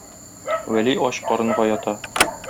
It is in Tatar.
Вәли ач карынга ята.